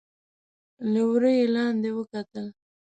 له وره يې لاندې وکتل.